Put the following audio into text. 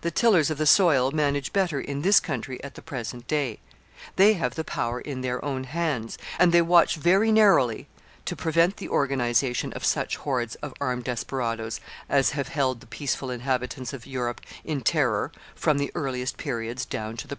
The tillers of the soil manage better in this country at the present day. They have the power in their own hands, and they watch very narrowly to prevent the organization of such hordes of armed desperadoes as have held the peaceful inhabitants of Europe in terror from the earliest periods down to the present day.